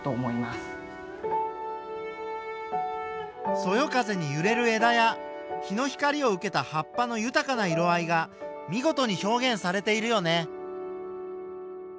そよ風にゆれる枝や日の光を受けた葉っぱの豊かな色合いが見事に表現されているよね。